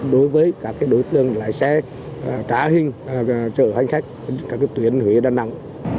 đối với các đối tượng lái xe trá hình chở hành khách các tuyến huế đà nẵng